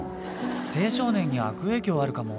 青少年に悪影響あるかも。